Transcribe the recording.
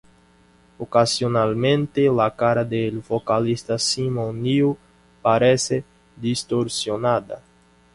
Ocasionalmente, la cara del vocalista Simon Neil parece distorsionada.